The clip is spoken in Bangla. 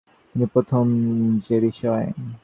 তিনি প্রথম যে বিষয়